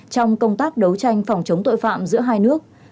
trong công tác đấu tranh phòng chống tội phạm giữa hai nước